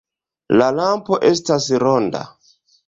La lampo estas ronda.